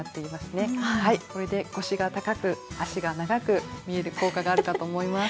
これで腰が高く足が長く見える効果があるかと思います。